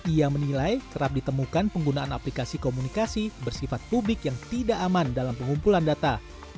ia menilai kerap ditemukan penggunaan aplikasi komunikasi bersifat publik yang tidak aman dalam pengumpulan data